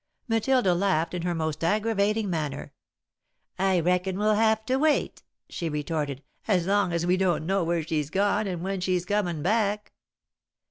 Matilda laughed in her most aggravating manner. "I reckon we'll have to wait," she retorted, "as long as we don't know where she's gone or when she's comin' back."